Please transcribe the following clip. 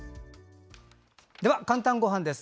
では「かんたんごはん」です。